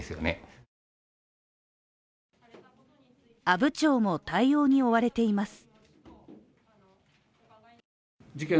阿武町も対応に追われています。